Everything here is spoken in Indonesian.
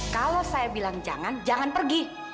kalau saya bilang jangan jangan pergi